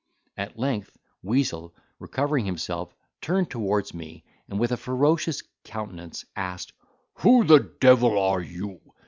At length, Weazel, recovering himself, turned towards me, and with a ferocious countenance asked, "Who the devil are you?